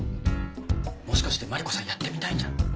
もしかしてマリコさんやってみたいんじゃ？